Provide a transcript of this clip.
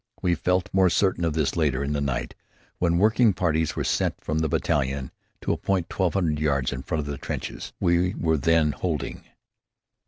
We felt more certain of this later in the night when working parties were sent from the battalion to a point twelve hundred yards in front of the trenches we were then holding.